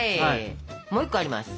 もう１個あります。